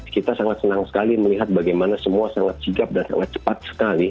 kita sangat senang sekali melihat bagaimana semua sangat sigap dan sangat cepat sekali